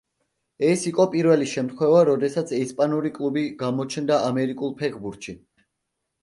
ეს იყო პირველი შემთხვევა, როდესაც ესპანური კლუბი გამოჩნდა ამერიკულ ფეხბურთში.